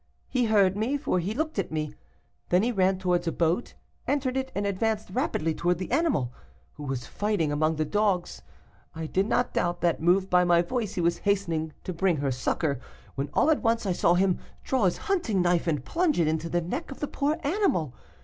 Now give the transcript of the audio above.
He heard me, for he looked at me; then he ran towards a boat, entered it, and advanced rapidly towards the animal, who was fighting among the dogs. I did not doubt that, moved by my voice, he was hastening to bring her succor, when all at once I saw him draw his hunting knife, and plunge it into the neck of the poor animal.